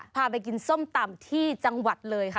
พาไปกินส้มตำที่จังหวัดเลยค่ะ